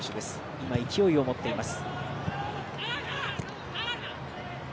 今、勢いを持っています。